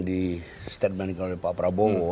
di statement oleh pak prabowo